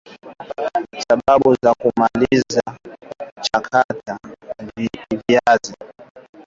sababu za mkulima kuchakata viazi